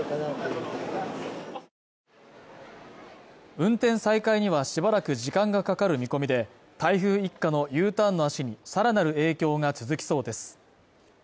運転再開にはしばらく時間がかかる見込みで台風一過のＵターンの足にさらなる影響が続きそうです